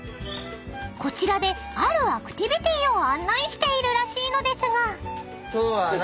［こちらであるアクティビティーを案内しているらしいのですが］